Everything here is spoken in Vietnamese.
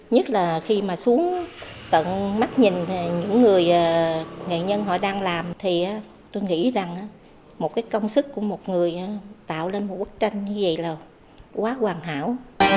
nhất là khi mà xuống tận mắt nhìn những người nghệ nhân họ đang làm thì tôi nghĩ rằng một cái công sức của một người tạo lên một bức tranh như vậy là quá hoàn hảo